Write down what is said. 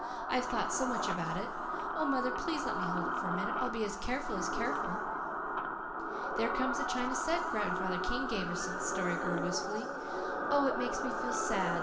I've thought so much about it. Oh, mother, please let me hold it for a minute. I'll be as careful as careful." "There comes the china set Grandfather King gave her," said the Story Girl wistfully. "Oh, it makes me feel sad.